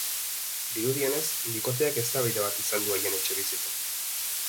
Dirudienez, bikoteak eztabaida bat izan du haien etxebizitzan.